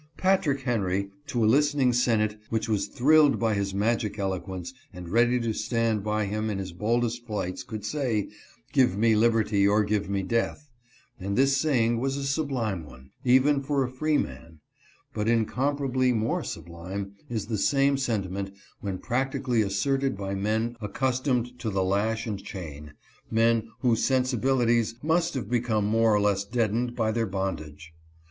Patrick Henry, to a listening senate which was thrilled by his magic eloquence and ready to stand by him in his boldest flights, could say, " Give me liberty or give me death ;" and this saying was a sublime one, even for a freeman; but incomparably more sublime is the same sentiment when practically asserted by men accustomed to the lash and chain, men whose sensibilities must have become more or less deadened by their bondage.